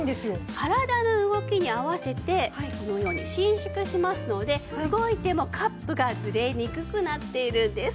体の動きに合わせてこのように伸縮しますので動いてもカップがズレにくくなっているんです。